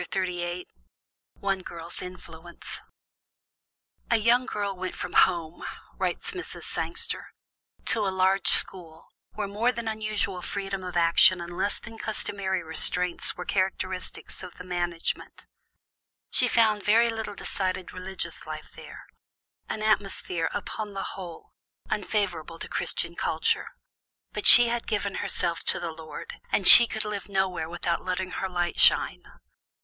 ONE GIRL'S INFLUENCE "A young girl went from home," writes Mrs. Sangster, "to a large school where more than usual freedom of action and less than customary restraints were characteristics of the management. She found very little decided religious life there an atmosphere, upon the whole, unfavorable to Christian culture. But she had given herself to the Lord, and she could live nowhere without letting her light shine.